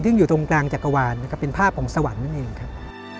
ซึ่งอยู่ตรงกลางจักรวาลนะครับเป็นภาพของสวรรค์นั่นเองครับ